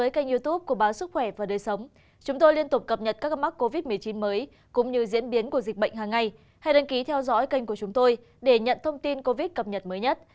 các bạn hãy đăng ký kênh của chúng tôi để nhận thông tin cập nhật mới nhất